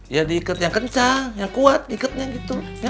ya diikat yang kencang yang kuat ikatnya gitu